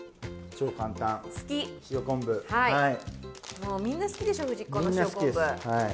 もうみんな好きでしょふじっこの塩昆布。